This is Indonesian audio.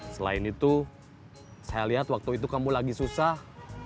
selain itu saya lihat waktu itu kamu lagi susah